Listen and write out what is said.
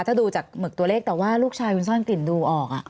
ถ้าดูจากหมึกตัวเลขแต่ว่าลูกชายคุณซ่อนกลิ่นดูออก